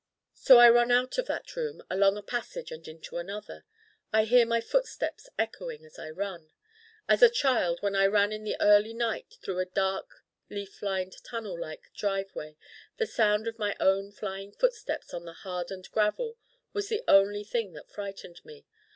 So I run out of that Room along a passage and into another. I hear my footsteps echoing as I run. as a child when I ran in the early night through a dark leaf lined tunnel like driveway the sound of my own flying footsteps on the hardened gravel was the only thing that frightened me.